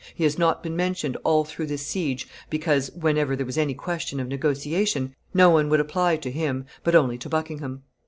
He has not been mentioned all through this siege, because, whenever there was any question of negotiation, no one would apply to him, but only to Buckingham.